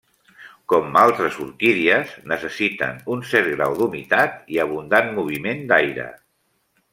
Com altres orquídies, necessiten un cert grau d'humitat i abundant moviment d'aire.